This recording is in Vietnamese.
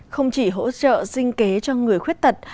không chỉ hỗ trợ sinh kế cho người khuyết tật